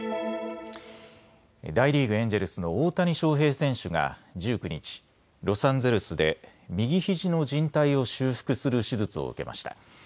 大リーグ、エンジェルスの大谷翔平選手が１９日、ロサンゼルスで右ひじのじん帯を修復する手術を受けました。